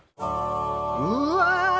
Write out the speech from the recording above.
うわ！